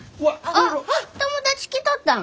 あっ友達来とったん？